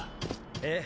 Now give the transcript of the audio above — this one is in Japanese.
ええ。